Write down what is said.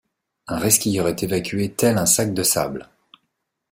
Un resquilleur est évacué tel un sac de sable.